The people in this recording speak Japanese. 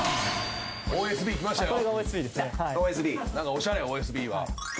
おしゃれＯＳＢは。